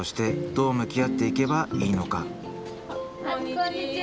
こんにちは。